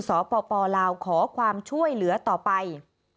สปลาวขอความช่วยเหลือต่อไป